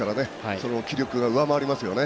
その気力が上回りますよね。